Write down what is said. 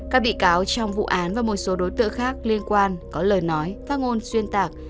các bị cáo trong vụ án và một số đối tượng khác liên quan có lời nói phát ngôn xuyên tạc